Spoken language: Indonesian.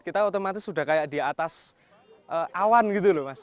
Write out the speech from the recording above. kita otomatis sudah kayak di atas awan gitu loh mas